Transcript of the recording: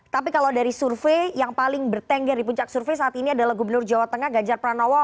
tapi kalau dari survei yang paling bertengger di puncak survei saat ini adalah gubernur jawa tengah ganjar pranowo